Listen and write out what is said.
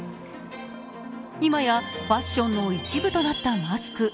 今やファッションの一部となったマスク。